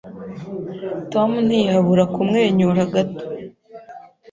Tom ntiyabura kumwenyura gato.